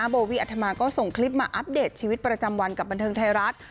โบวี่อัธมาก็ส่งคลิปมาอัปเดตชีวิตประจำวันกับบันเทิงไทยรัฐ